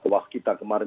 wawah kita kemarin